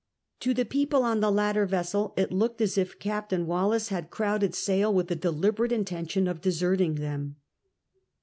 To the people on the latter vessel it looked Jis if Captsiin Wallis had crowded sail with the deliberate intention of deserting tliem.